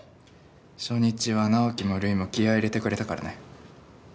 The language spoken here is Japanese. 初日は直樹もルイも気合い入れてくれたからね。